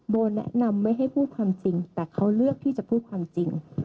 แนะนำไม่ให้พูดความจริงแต่เขาเลือกที่จะพูดความจริง